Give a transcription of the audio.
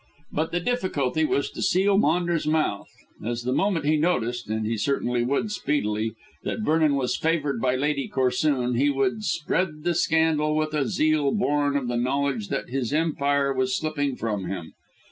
But the difficulty was to seal Maunders' mouth, as the moment he noticed and he certainly would, speedily that Vernon was favoured by Lady Corsoon, he would spread the scandal with a zeal born of the knowledge that his empire was slipping from him.